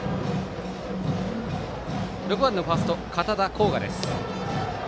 ６番のファースト堅田紘可です。